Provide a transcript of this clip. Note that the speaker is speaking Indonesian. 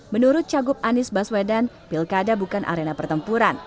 menurut cagup anies baswedan pilkada bukan arena pertempuran